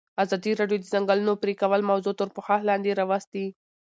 ازادي راډیو د د ځنګلونو پرېکول موضوع تر پوښښ لاندې راوستې.